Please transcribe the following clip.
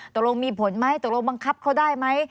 ตกลงมีผลไหมตกลงบังคับเขาได้ไหม